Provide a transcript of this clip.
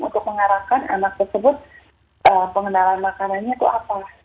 untuk mengarahkan anak tersebut pengenalan makanannya itu apa